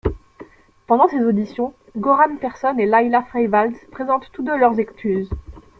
Pendant ces auditions, Göran Persson et Laila Freivalds présentent tous deux leurs excuses.